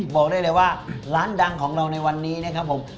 บอกได้เลยว่าร้านดังของเราในวันนี้นะครับผม